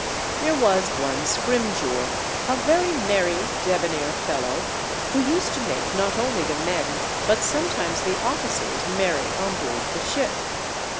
There was one Scrimgeour, a very merry debonair fellow, who used to make not only the men, but sometimes the officers merry on board the ship.